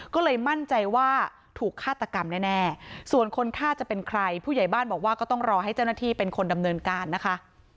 ก็เลยมั่นใจว่าถูกฆาตกรรมแน่ส่วนคนฆ่าจะเป็นใครผู้ใหญ่บ้านบอกว่าก็ต้องรอให้เจ้าหน้าที่เป็นคนดำเนินการนะคะ